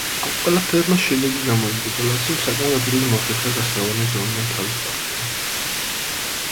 ამ ყველაფერმა შედეგი გამოიღო და ლაციომ საკმაოდ ადვილად მოახერხა გასავარდნი ზონიდან თავის დაღწევა.